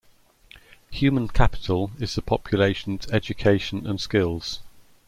Human capital is the population's education and skills.